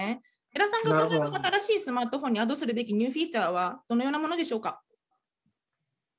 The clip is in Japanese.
江良さんがお考えの新しいスマートフォンにアドするべきニューフィーチャーはどのようなものでしょうか？